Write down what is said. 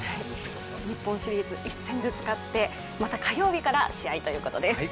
日本シリーズ１戦ずつ勝ってまた火曜日から試合ということです。